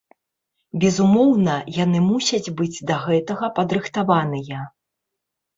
Безумоўна, яны мусяць быць да гэтага падрыхтаваныя.